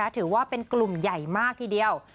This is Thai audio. ถือว่าเป็นกลุ่มใหญ่มากทีเดียว